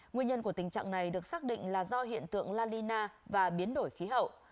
nguyên nhân của tình trạng này được xác định là do hiện tượng la nina và biến đổi khí hậu